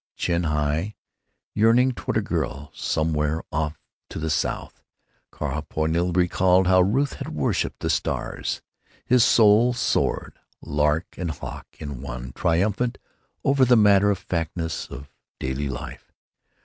Chin high, yearning toward a girl somewhere off to the south, Carl poignantly recalled how Ruth had worshiped the stars. His soul soared, lark and hawk in one, triumphant over the matter of factness of daily life.